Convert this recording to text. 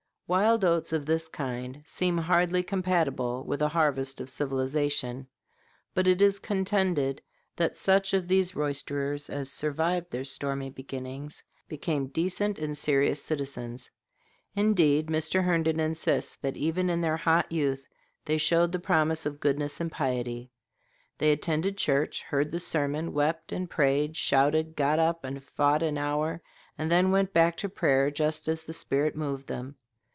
Wild oats of this kind seem hardly compatible with a harvest of civilization, but it is contended that such of these roysterers as survived their stormy beginnings became decent and serious citizens. Indeed, Mr. Herndon insists than even in their hot youth they showed the promise of goodness and piety. "They attended church, heard the sermon, wept and prayed, shouted, got up and fought an hour, and then went back to prayer, just as the spirit moved them."